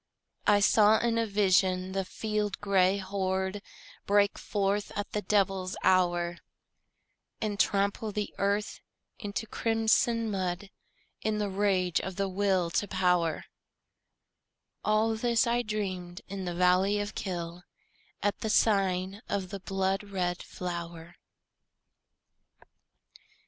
I saw in a vision the field gray horde Break forth at the devil's hour, And trample the earth into crimson mud In the rage of the Will to Power, All this I dreamed in the valley of Kyll, At the sign of the blood red flower.